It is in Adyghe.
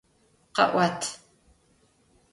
Къэӏуат!